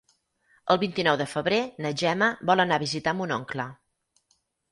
El vint-i-nou de febrer na Gemma vol anar a visitar mon oncle.